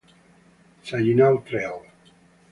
Saginaw Trail